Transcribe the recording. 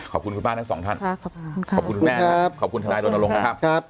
ขอบคุณคุณบ้านทั้งสองท่านขอบคุณทุกแม่ขอบคุณทนายโดนลงนะครับ